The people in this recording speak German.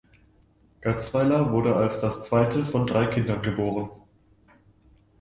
Gatzweiler wurde als das zweite von drei Kindern geboren.